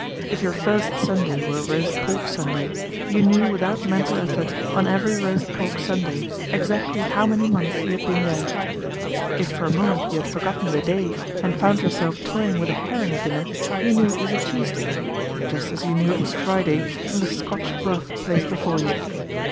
If your first Sunday were a roast pork Sunday, you knew without mental effort on every roast pork Sunday exactly how many months you had been there. If for a moment you had forgotten the day, and 76 PATRICIA BRENT, SPINSTER found yourself toying with a herring at dinner, you knew it was a Tuesday, just as you knew it was Friday from the Scotch broth placed before you.